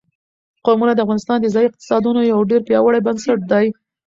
قومونه د افغانستان د ځایي اقتصادونو یو ډېر پیاوړی بنسټ دی.